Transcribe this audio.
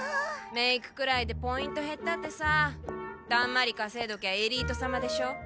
メイクくらいでポイント減ったってさたんまり稼いどきゃエリート様でしょ？